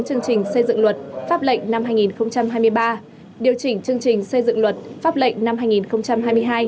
chương trình xây dựng luật pháp lệnh năm hai nghìn hai mươi ba điều chỉnh chương trình xây dựng luật pháp lệnh năm hai nghìn hai mươi hai